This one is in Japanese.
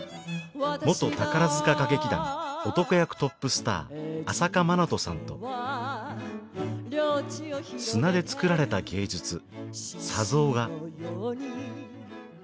元宝塚歌劇団男役トップスター朝夏まなとさんと砂で作られた芸術砂像が。